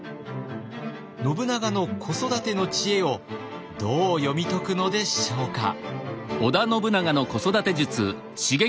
信長の子育ての知恵をどう読み解くのでしょうか。